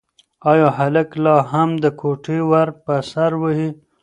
ایا هلک لا هم د کوټې ور په سر وهي؟